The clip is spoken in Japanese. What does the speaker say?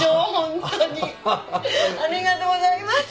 ありがとうございます。